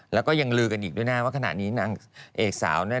แล้วก็ยังลือกันอีกด้วยนะว่าขณะนี้นางเอกสาวเนี่ย